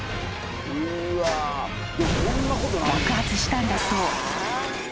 ［爆発したんだそう］